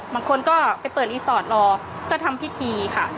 บางคนก็ไปเปิดรีสอร์ทรอก็ทำพิธีค่ะ